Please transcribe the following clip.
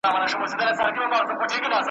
نه پوهېږم پر دې لاره څرنګه ولاړم `